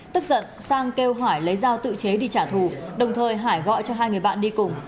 tức giận sang kêu hải lấy dao tự chế đi trả thù đồng thời hải gọi cho hai người bạn đi cùng